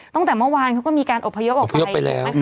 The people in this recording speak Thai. ตั้งแต่เมื่อวานเขาก็มีการอบพยกออกไป